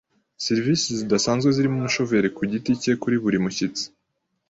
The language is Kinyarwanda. Serivisi zidasanzwe zirimo umushoferi kugiti cye kuri buri mushyitsi.